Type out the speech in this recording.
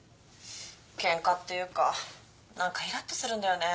ケンカっていうか何かいらっとするんだよね。